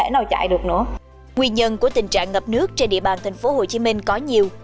nguyên nhân của tình trạng ngập nước trên địa bàn tp hcm có nhiều